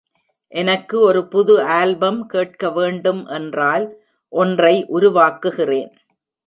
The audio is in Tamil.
எனக்கு ஒரு புது ஆல்பம் கேட்கவேண்டும் என்றால், ஒன்றை உருவாக்குகிறேன்.